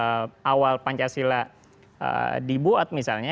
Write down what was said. saya singgung mengenai awal pancasila dibuat misalnya